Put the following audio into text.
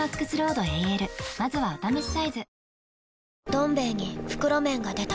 「どん兵衛」に袋麺が出た